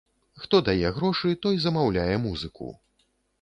Хто дае грошы, той замаўляе музыку.